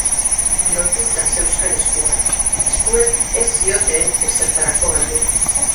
Lotuta zeuzkan eskuak! Eskuek ez zioten ezertarako balio.